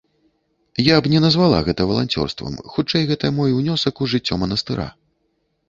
Я б не назвала гэта валанцёрствам, хутчэй, гэта мой унёсак у жыццё манастыра.